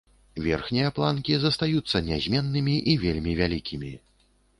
Верхнія планкі застаюцца нязменнымі і вельмі вялікімі.